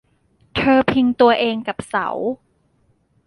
เธอพิงตัวเองกับเสา